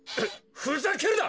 ふざけるな！